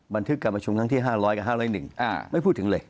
บันทึกการประชุมครั้งที่๕๐๐กับ๕๐๑ไม่พูดถึงเลย